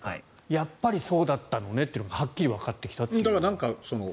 やっぱりそうだったのねとはっきりわかってきたという。